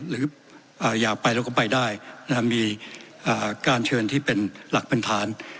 หรืออยากไปเราก็ไปได้มีการเชิญที่เป็นหลักเป็นฐาน